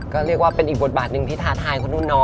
ก็เรียกว่าเป็นอีกบทบาทหนึ่งที่ท้าทายคนนู้นเนาะ